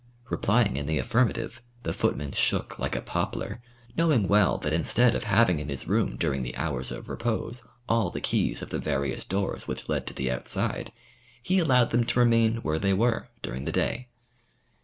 Replying in the affirmative, the footman shook like a poplar, knowing well that instead of having in his room during the hours of repose all the keys of the various doors which led to the outside, he allowed them to remain where they were during the day.